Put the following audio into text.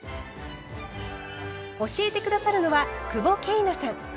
教えて下さるのは久保桂奈さん。